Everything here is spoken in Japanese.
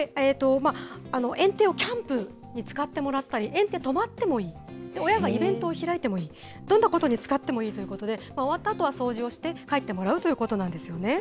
園庭をキャンプに使ってもらったり、園庭に泊まってもいい、親がイベントを開いてもいい、どんなことに使ってもいいということで、終わったあとは掃除をして帰ってもらうということなんですよね。